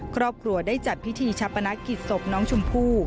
ครอบครัวได้จัดพิธีชาปนกิจศพน้องชมพู่